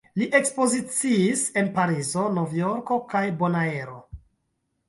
Li ekspoziciis en Parizo, Novjorko kaj Bonaero.